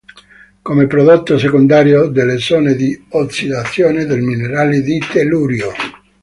Come prodotto secondario delle zone di ossidazione dei minerali di tellurio.